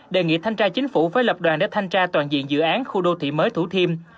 đề nghị thanh tra chính phủ phải lập đoàn để thanh tra toàn diện dự án khu đô thị mới thủ thiêm